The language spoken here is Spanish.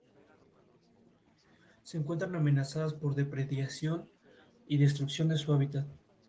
Se encuentran amenazadas por depredación y destrucción de su hábitat.